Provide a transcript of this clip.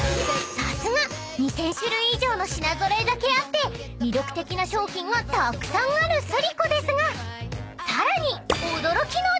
［さすが２，０００種類以上の品揃えだけあって魅力的な商品がたくさんあるスリコですがさらに］